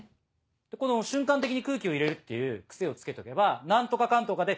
この瞬間的に空気を入れるっていう癖をつけておけば「何とかかんとかで」